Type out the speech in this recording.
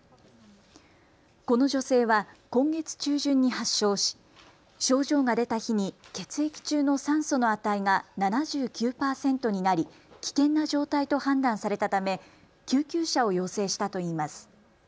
この女性は今月中旬に発症し症状が出た日に血液中の酸素の値が７９％になり危険な状態と判断されたため救急車を要請したといいます。